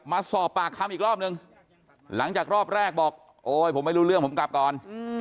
มาสอบปากคำอีกรอบนึงหลังจากรอบแรกบอกโอ๊ยผมไม่รู้เรื่องผมกลับก่อน